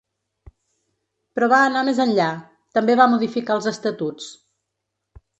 Però va anar més enllà: també va modificar els estatuts.